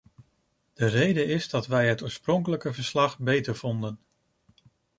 De reden is dat wij het oorspronkelijke verslag beter vonden.